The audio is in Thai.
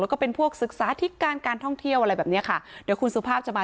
แล้วก็เป็นพวกศึกษาธิการการท่องเที่ยวอะไรแบบเนี้ยค่ะเดี๋ยวคุณสุภาพจะมา